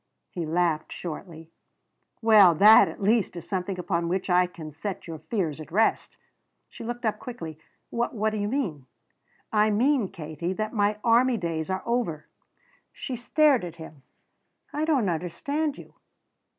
He laughed shortly. "Well that, at least, is something upon which I can set your fears at rest." She looked up quickly. "What do you mean?" "I mean, Katie, that my army days are over." She stared at him. "I don't understand you."